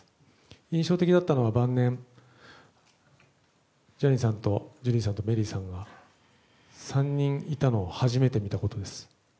印象的だったのは晩年、ジャニーさんとジュリーさんとメリーさんが３人いたのを初めて見たことです。